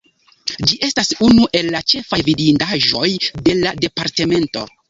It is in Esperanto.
Ĝi estas unu el la ĉefaj vidindaĵoj de la departemento.